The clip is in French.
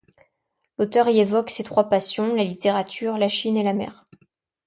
L'auteur y évoque ses trois passions la littérature, la Chine et la mer.